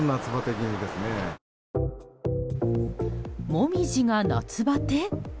モミジが夏バテ？